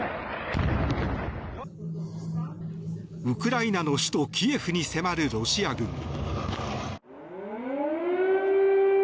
ウクライナの首都キエフに迫るロシア軍。